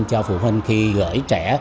cho phụ huynh khi gửi trẻ